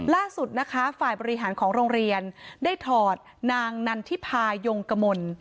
ล่าสุดนะคะฝ่ายบริหารของโรงเรียนได้ถอดนางนันทิพายงกมล